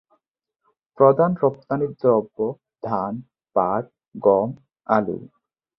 প্রধান রপ্তানিদ্রব্য ধান, পাট, গম, আলু।